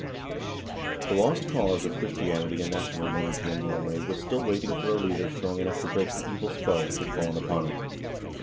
The lost cause of Chris tianity and national unity in Norway was still waiting for a leader strong enough to break the evil spell which had fallen upon it.